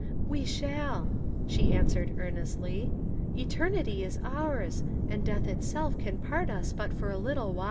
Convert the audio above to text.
"We shall!" she answered earnestly; "eternity is ours, and death itself can part us but for a little while."